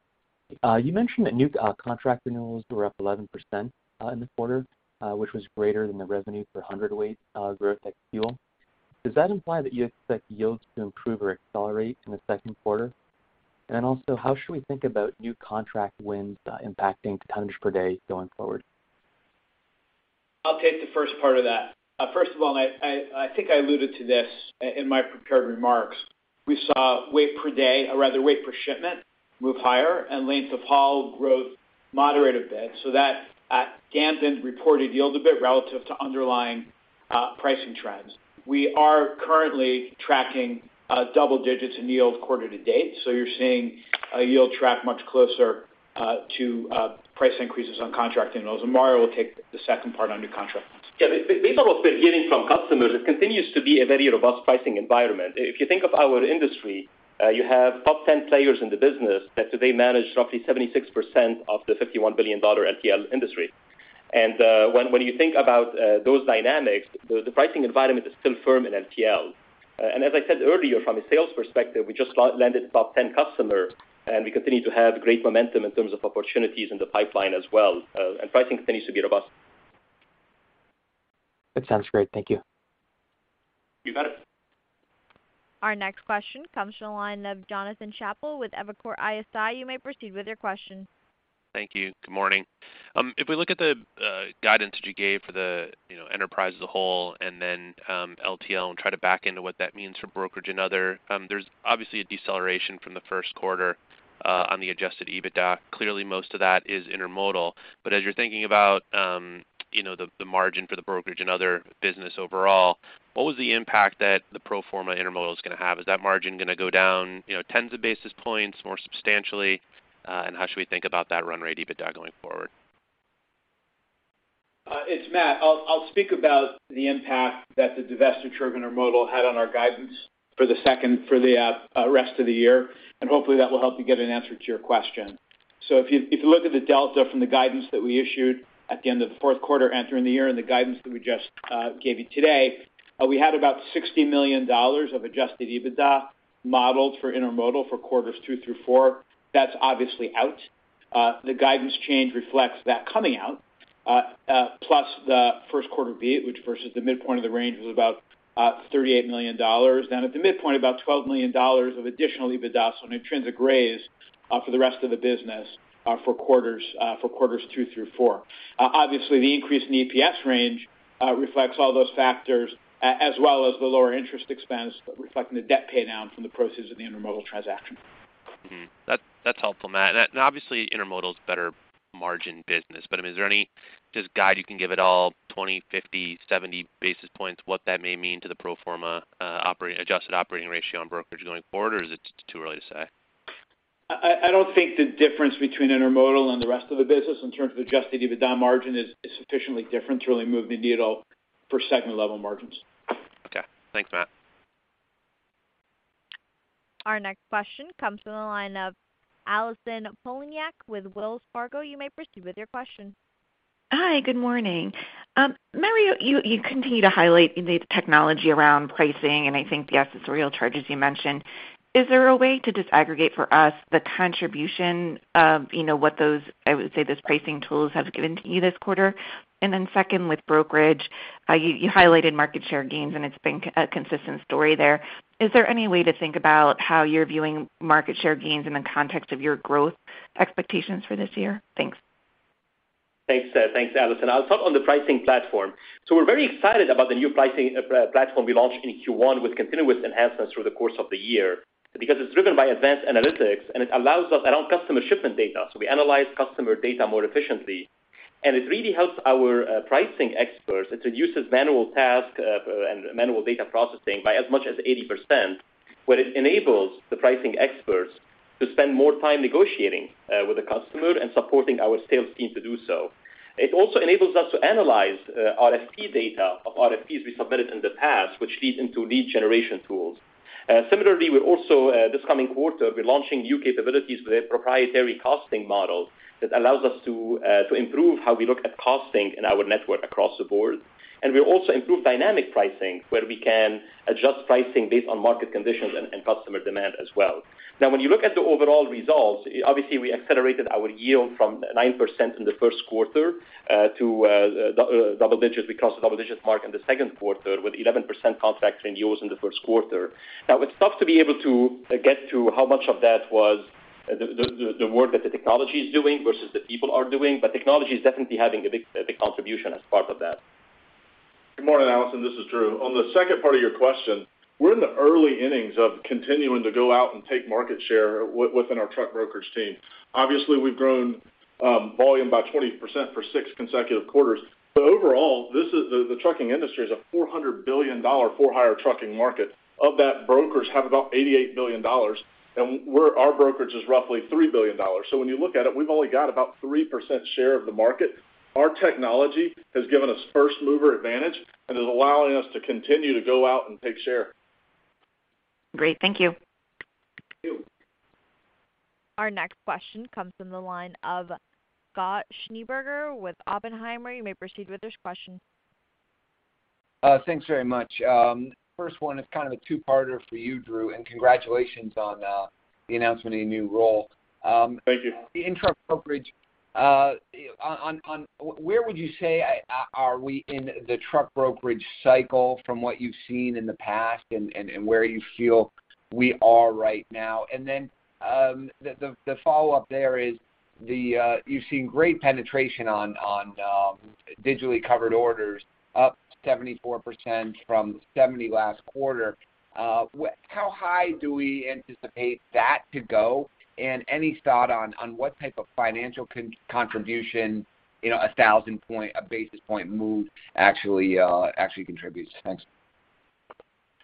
You mentioned that new contract renewals were up 11%, in the quarter, which was greater than the revenue for hundredweight growth ex fuel. Does that imply that you expect yields to improve or accelerate in the second quarter? How should we think about new contract wins impacting tonnage per day going forward? I'll take the first part of that. First of all, I think I alluded to this in my prepared remarks. We saw weight per day, or rather weight per shipment, move higher and length of haul growth moderate a bit. That dampened reported yield a bit relative to underlying pricing trends. We are currently tracking double digits in yield quarter to date, so you're seeing a yield track much closer to price increases on contract renewals. Mario will take the second part on new contracts. Yeah. Based on what we're hearing from customers, it continues to be a very robust pricing environment. If you think of our industry, you have top ten players in the business that today manage roughly 76% of the $51 billion LTL industry. When you think about those dynamics, the pricing environment is still firm in LTL. As I said earlier, from a sales perspective, we just landed top ten customer, and we continue to have great momentum in terms of opportunities in the pipeline as well, and pricing continues to be robust. That sounds great. Thank you. You bet. Our next question comes from the line of Jonathan Chappell with Evercore ISI. You may proceed with your question. Thank you. Good morning. If we look at the guidance that you gave for the, you know, enterprise as a whole and then LTL and try to back into what that means for brokerage and other, there's obviously a deceleration from the first quarter on the adjusted EBITDA. Clearly, most of that is intermodal. As you're thinking about, you know, the margin for the brokerage and other business overall, what was the impact that the pro forma intermodal is gonna have? Is that margin gonna go down, you know, tens of basis points more substantially? How should we think about that run rate EBITDA going forward? It's Matt. I'll speak about the impact that the divested truckload and intermodal had on our guidance for the rest of the year, and hopefully that will help you get an answer to your question. If you look at the delta from the guidance that we issued at the end of the fourth quarter entering the year and the guidance that we just gave you today, we had about $60 million of adjusted EBITDA modeled for intermodal for quarters two through four. That's obviously out. The guidance change reflects that coming out, plus the first quarter beat, which versus the midpoint of the range was about $38 million. Down at the midpoint, about $12 million of additional EBITDA, so no trends or grays, for the rest of the business, for quarters two through four. Obviously the increase in the EPS range reflects all those factors as well as the lower interest expense reflecting the debt pay down from the proceeds of the intermodal transaction. Mm-hmm. That's helpful, Matt. Obviously intermodal is a better margin business, but I mean, is there any guidance you can give at all, 20, 50, 70 basis points, what that may mean to the pro forma adjusted operating ratio on brokerage going forward, or is it too early to say? I don't think the difference between intermodal and the rest of the business in terms of adjusted EBITDA margin is sufficiently different to really move the needle for segment level margins. Okay. Thanks, Matt. Our next question comes from the line of Allison Poliniak with Wells Fargo. You may proceed with your question. Hi, good morning. Mario, you continue to highlight the technology around pricing, and I think the accessorial charges you mentioned. Is there a way to disaggregate for us the contribution of, you know, what those, I would say, those pricing tools have given to you this quarter? Then second, with brokerage, you highlighted market share gains, and it's been a consistent story there. Is there any way to think about how you're viewing market share gains in the context of your growth expectations for this year? Thanks. Thanks, Allison. I'll talk on the pricing platform. We're very excited about the new pricing platform we launched in Q1 with continuous enhancements through the course of the year because it's driven by advanced analytics, and it allows us around customer shipment data. We analyze customer data more efficiently, and it really helps our pricing experts. It reduces manual tasks and manual data processing by as much as 80%, but it enables the pricing experts to spend more time negotiating with the customer and supporting our sales team to do so. It also enables us to analyze RFP data of RFPs we submitted in the past, which feeds into lead generation tools. Similarly, we're also this coming quarter, we're launching new capabilities with a proprietary costing model that allows us to to improve how we look at costing in our network across the board. We also improve dynamic pricing, where we can adjust pricing based on market conditions and customer demand as well. Now, when you look at the overall results, obviously we accelerated our yield from 9% in the first quarter to double digits. We crossed the double digits mark in the second quarter with 11% contract renewals in the first quarter. Now it's tough to be able to get to how much of that was the work that the technology is doing versus the people are doing, but technology is definitely having a big contribution as part of that. Good morning, Allison. This is Drew. On the second part of your question, we're in the early innings of continuing to go out and take market share within our truck brokerage team. Obviously, we've grown volume by 20% for six consecutive quarters. Overall, this is the trucking industry is a $400 billion for-hire trucking market. Of that, brokers have about $88 billion, and we're our brokerage is roughly $3 billion. So when you look at it, we've only got about 3% share of the market. Our technology has given us first mover advantage and is allowing us to continue to go out and take share. Great. Thank you. Thank you. Our next question comes from the line of Scott Schneeberger with Oppenheimer. You may proceed with this question. Thanks very much. First one is kind of a two-parter for you, Drew, and congratulations on the announcement of your new role. Thank you. In truck brokerage, on where would you say are we in the truck brokerage cycle from what you've seen in the past and where you feel we are right now? The follow-up there is the you've seen great penetration on digitally covered orders, up 74% from 70 last quarter. How high do we anticipate that to go? Any thought on what type of financial contribution, you know, a 1000 basis point move actually contributes? Thanks.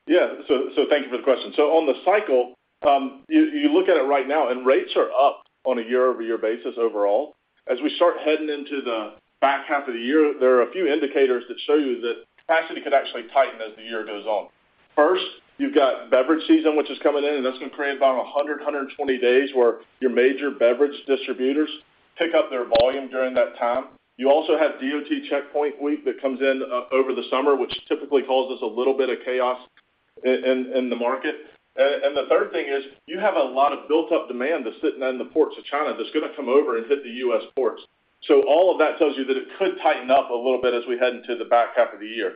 Thank you for the question. On the cycle, you look at it right now and rates are up on a year-over-year basis overall. As we start heading into the back half of the year, there are a few indicators that show you that capacity could actually tighten as the year goes on. First, you've got beverage season, which is coming in, and that's gonna create about 120 days where your major beverage distributors pick up their volume during that time. You also have DOT checkpoint week that comes in over the summer, which typically causes a little bit of chaos in the market. The third thing is you have a lot of built up demand that's sitting there in the ports of China that's gonna come over and hit the U.S. ports. All of that tells you that it could tighten up a little bit as we head into the back half of the year.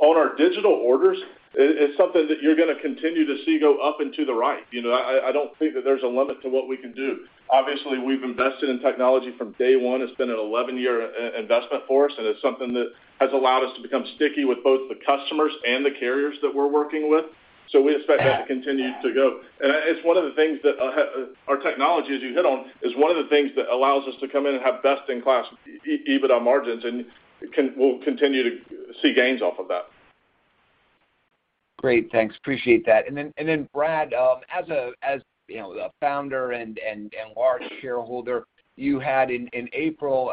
On our digital orders, it's something that you're gonna continue to see go up and to the right. You know, I don't think that there's a limit to what we can do. Obviously, we've invested in technology from day one. It's been an 11-year investment for us, and it's something that has allowed us to become sticky with both the customers and the carriers that we're working with. We expect that to continue to go. It's one of the things that our technology, as you hit on, is one of the things that allows us to come in and have best in class EBITDA margins, and we'll continue to see gains off of that. Great. Thanks. Appreciate that. Brad, as you know, the founder and large shareholder, you had in April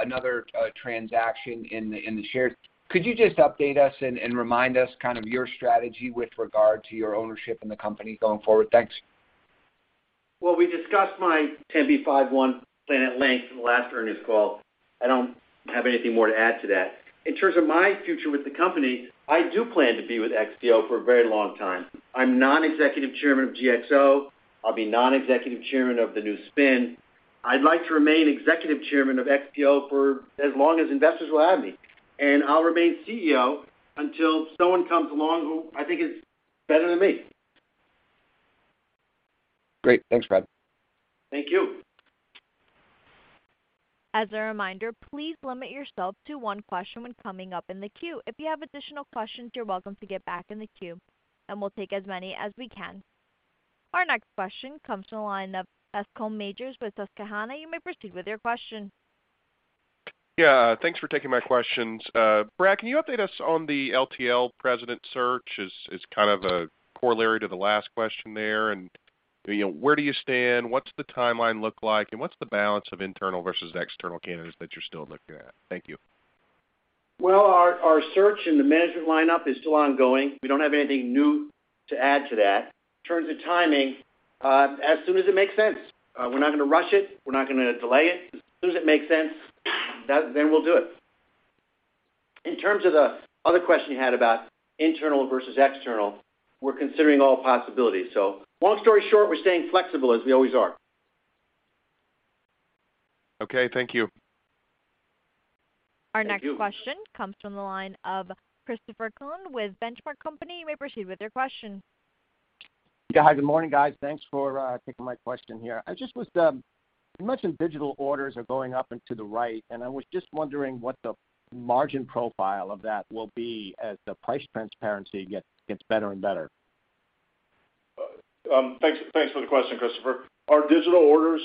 another transaction in the shares. Could you just update us and remind us kind of your strategy with regard to your ownership in the company going forward? Thanks. Well, we discussed my 10b5-1 plan at length in the last earnings call. I don't have anything more to add to that. In terms of my future with the company, I do plan to be with XPO for a very long time. I'm Non-Executive Chairman of GXO. I'll be Non-Executive Chairman of the new spin. I'd like to remain Executive Chairman of XPO for as long as investors will have me, and I'll remain CEO until someone comes along who I think is better than me. Great. Thanks, Brad. Thank you. As a reminder, please limit yourself to one question when coming up in the queue. If you have additional questions, you're welcome to get back in the queue, and we'll take as many as we can. Our next question comes from the line of Bascome Majors with Susquehanna. You may proceed with your question. Yeah. Thanks for taking my questions. Brad, can you update us on the LTL president search? It's kind of a corollary to the last question there. You know, where do you stand, what's the timeline look like, and what's the balance of internal versus external candidates that you're still looking at? Thank you. Well, our search in the management lineup is still ongoing. We don't have anything new to add to that. In terms of timing, as soon as it makes sense. We're not gonna rush it. We're not gonna delay it. As soon as it makes sense, then we'll do it. In terms of the other question you had about internal versus external, we're considering all possibilities. Long story short, we're staying flexible as we always are. Okay, thank you. Thank you. Our next question comes from the line of Christopher Kuhn with The Benchmark Company. You may proceed with your question. Yeah. Hi. Good morning, guys. Thanks for taking my question here. I just was, you mentioned digital orders are going up and to the right, and I was just wondering what the margin profile of that will be as the price transparency gets better and better. Thanks for the question, Christopher. Our digital orders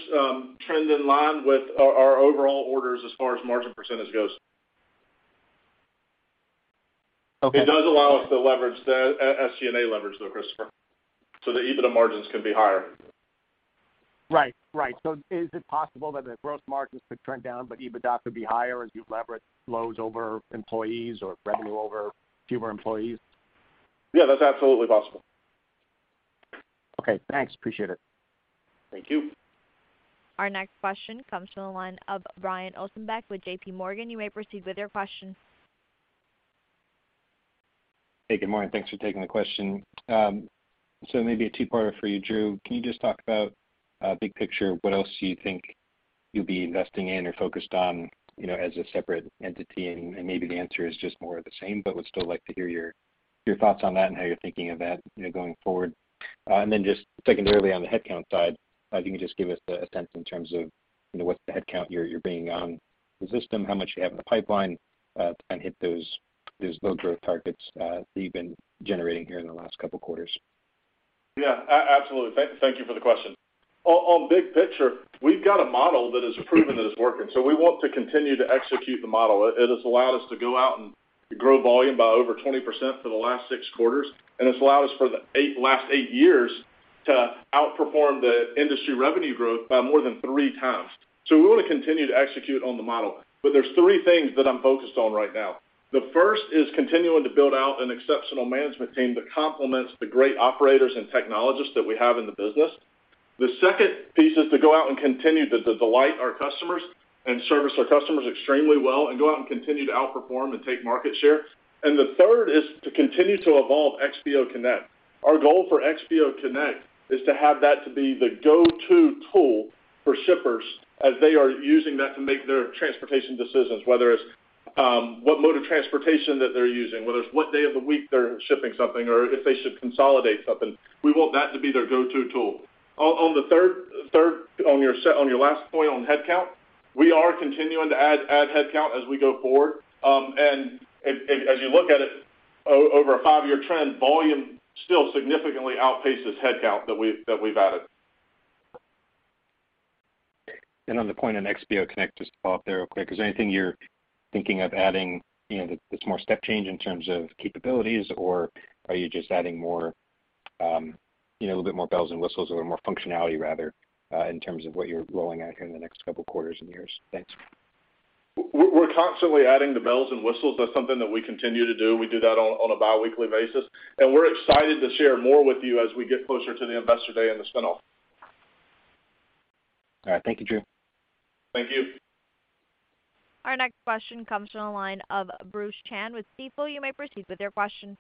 trend in line with our overall orders as far as margin percentage goes. Okay. It does allow us to leverage the SG&A leverage though, Christopher. The EBITDA margins can be higher. Right. Right. Is it possible that the gross margins could trend down but EBITDA could be higher as you leverage loads over employees or revenue over fewer employees? Yeah, that's absolutely possible. Okay, thanks. Appreciate it. Thank you. Our next question comes from the line of Brian Ossenbeck with JPMorgan. You may proceed with your question. Hey, good morning. Thanks for taking the question. Maybe a two-parter for you, Drew. Can you just talk about big picture, what else do you think you'll be investing in or focused on, you know, as a separate entity? Maybe the answer is just more of the same, but would still like to hear your thoughts on that and how you're thinking of that, you know, going forward. Just secondarily on the headcount side, if you can just give us the sense in terms of, you know, what's the headcount you're bringing on the system, how much you have in the pipeline to kind of hit those load growth targets that you've been generating here in the last couple of quarters. Yeah. Absolutely. Thank you for the question. On big picture, we've got a model that is proven that it's working, so we want to continue to execute the model. It has allowed us to go out and grow volume by over 20% for the last six quarters, and it's allowed us for the last eight years to outperform the industry revenue growth by more than three times. We want to continue to execute on the model. There's three things that I'm focused on right now. The first is continuing to build out an exceptional management team that complements the great operators and technologists that we have in the business. The second piece is to go out and continue to delight our customers and service our customers extremely well and go out and continue to outperform and take market share. The third is to continue to evolve XPO Connect. Our goal for XPO Connect is to have that to be the go-to tool for shippers as they are using that to make their transportation decisions, whether it's what mode of transportation that they're using, whether it's what day of the week they're shipping something, or if they should consolidate something. We want that to be their go-to tool. On your last point on headcount, we are continuing to add headcount as we go forward. And as you look at it over a five-year trend, volume still significantly outpaces headcount that we've added. On the point on XPO Connect, just to follow up there real quick, is there anything you're thinking of adding, you know, that's more step change in terms of capabilities, or are you just adding more, you know, a bit more bells and whistles or more functionality rather, in terms of what you're rolling out here in the next couple of quarters and years? Thanks. We're constantly adding the bells and whistles. That's something that we continue to do. We do that on a biweekly basis, and we're excited to share more with you as we get closer to the Investor Day and the spin-off. All right. Thank you, Drew. Thank you. Our next question comes from the line of Bruce Chan with Stifel. You may proceed with your question.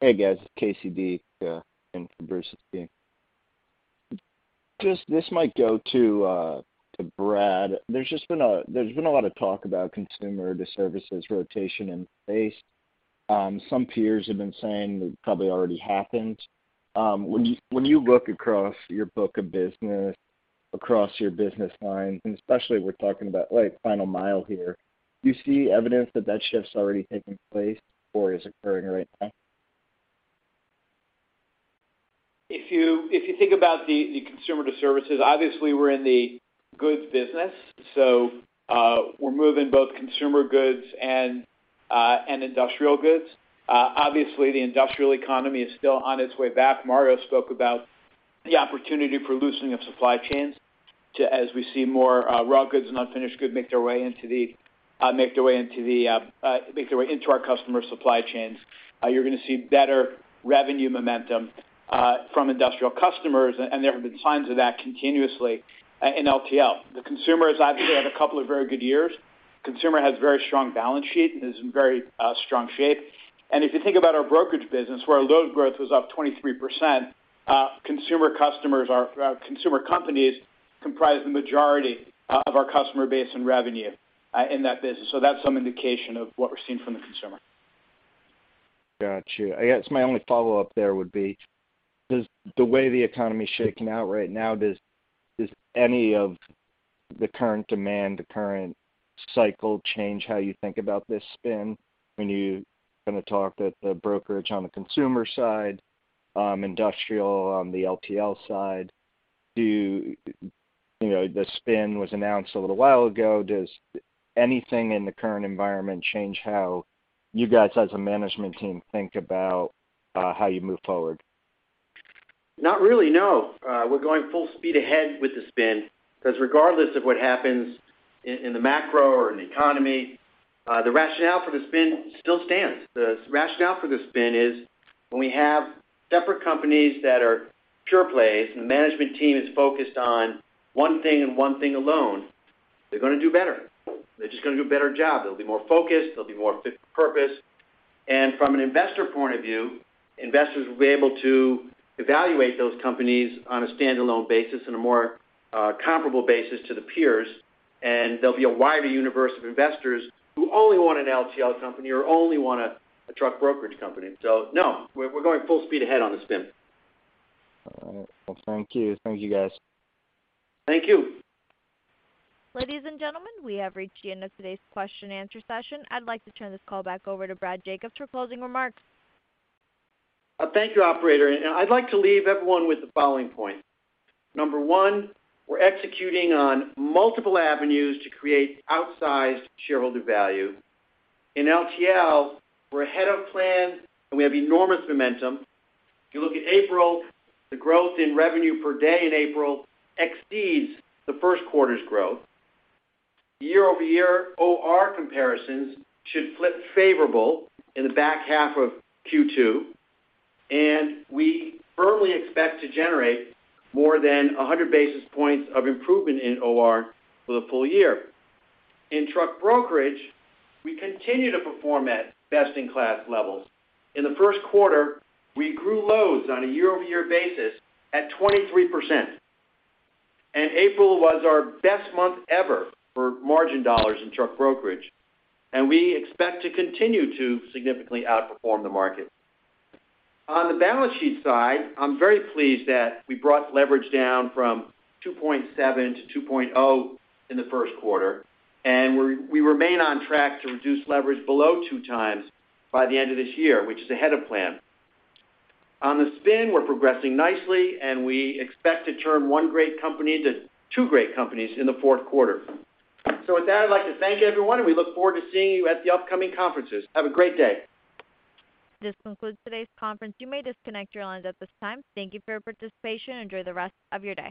Hey, guys. KCD in for Bruce Chan. This might go to Brad. There's been a lot of talk about consumer to services rotation in place. Some peers have been saying it probably already happened. When you look across your book of business, across your business lines, and especially we're talking about like final mile here, do you see evidence that that shift's already taking place or is occurring right now? If you think about the consumer to services, obviously we're in the goods business, so we're moving both consumer goods and industrial goods. Obviously the industrial economy is still on its way back. Mario spoke about the opportunity for loosening of supply chains as we see more raw goods and unfinished goods make their way into our customer supply chains. You're gonna see better revenue momentum from industrial customers, and there have been signs of that continuously in LTL. The consumer has obviously had a couple of very good years. The consumer has very strong balance sheet and is in very strong shape. If you think about our brokerage business, where our load growth was up 23%, consumer companies comprise the majority of our customer base and revenue in that business. That's some indication of what we're seeing from the consumer. Got you. I guess my only follow-up there would be, does the way the economy is shaking out right now, does any of the current demand, the current cycle change how you think about this spin when you kind of talked at the brokerage on the consumer side, industrial on the LTL side? Do you know, the spin was announced a little while ago. Does anything in the current environment change how you guys as a management team think about, how you move forward? Not really, no. We're going full speed ahead with the spin because regardless of what happens in the macro or in the economy, the rationale for the spin still stands. The rationale for the spin is when we have separate companies that are pure plays, and the management team is focused on one thing and one thing alone, they're gonna do better. They're just gonna do a better job. They'll be more focused. They'll be more fit for purpose. From an investor point of view, investors will be able to evaluate those companies on a standalone basis on a more comparable basis to the peers. There'll be a wider universe of investors who only want an LTL company or only want a truck brokerage company. No, we're going full speed ahead on the spin. All right. Well, thank you. Thank you, guys. Thank you. Ladies and gentlemen, we have reached the end of today's question-and-answer session. I'd like to turn this call back over to Brad Jacobs for closing remarks. Thank you, operator, and I'd like to leave everyone with the following points. Number one, we're executing on multiple avenues to create outsized shareholder value. In LTL, we're ahead of plan, and we have enormous momentum. If you look at April, the growth in revenue per day in April exceeds the first quarter's growth. Year-over-year OR comparisons should flip favorable in the back half of Q2, and we firmly expect to generate more than 100 basis points of improvement in OR for the full year. In truck brokerage, we continue to perform at best-in-class levels. In the first quarter, we grew loads on a year-over-year basis at 23%. April was our best month ever for margin dollars in truck brokerage, and we expect to continue to significantly outperform the market. On the balance sheet side, I'm very pleased that we brought leverage down from 2.7 to 2.0 in the first quarter, and we remain on track to reduce leverage below 2x by the end of this year, which is ahead of plan. On the spin, we're progressing nicely, and we expect to turn one great company into two great companies in the fourth quarter. With that, I'd like to thank everyone, and we look forward to seeing you at the upcoming conferences. Have a great day. This concludes today's conference. You may disconnect your lines at this time. Thank you for your participation. Enjoy the rest of your day.